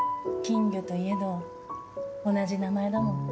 金魚といえど、同じ名前だもん。